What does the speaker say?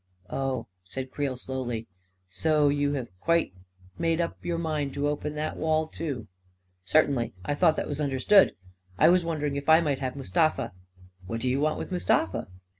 " Oh," said Creel, slowly, " so you have quite made up your mind to open that wall, too !"" Certainly — I thought that was understood. I was wondering if I might have Mustafa." "What do you want with Mustafa?"